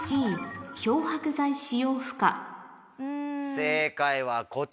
正解はこちら！